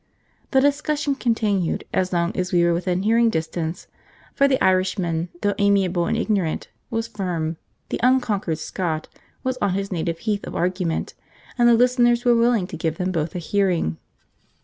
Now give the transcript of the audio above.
The discussion continued as long as we were within hearing distance, for the Irishman, though amiable and ignorant, was firm, the 'unconquered Scot' was on his native heath of argument, and the listeners were willing to give them both a hearing.